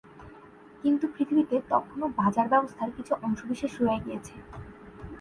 কিন্তু পৃথিবীতে তখনও বাজার ব্যবস্থার কিছু অংশবিশেষ রয়ে গিয়েছে।